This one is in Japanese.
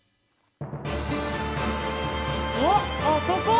あっあそこ！